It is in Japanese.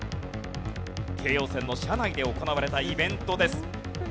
京葉線の車内で行われたイベントです。